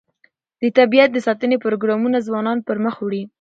د طبیعت د ساتنې پروګرامونه ځوانان پرمخ وړي.